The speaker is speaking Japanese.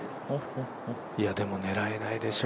いや、でも狙えないでしょ？